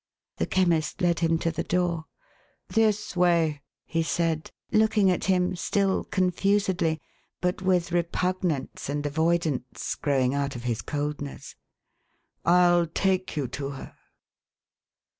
The Chemist led him to the door. "This way," he said, looking at him still confusedly, but with repugnance and avoidance, growing out of his coldness. '* Fll take you to her.